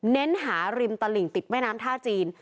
เน้นหาริมตลิ่งติดแม่น้ำท่าจีน